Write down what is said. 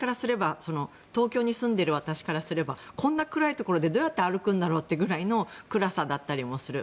東京に住んでいる私からすればこんな暗いところでどうやって歩くんだろうというぐらいの暗さだったりする。